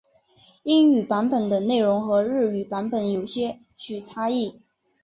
英语版本的内容和日语版本有些许差异。